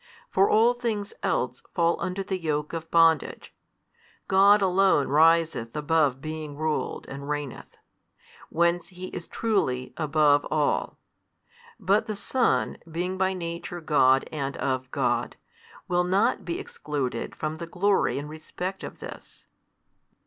For all things else fall under the yoke of bondage; God alone riseth above being ruled, and reigneth: whence He is truly above all. But the Son, being by Nature God and of God, will not be excluded from the glory in respect of this.